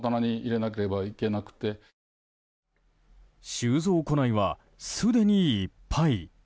収納庫内は、すでにいっぱい。